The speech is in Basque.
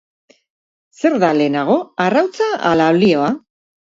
Zer da lehenago arrautza ala oiloa?